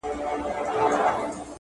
اذیت کې نه نعت شته او نه حمد